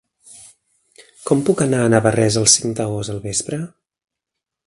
Com puc anar a Navarrés el cinc d'agost al vespre?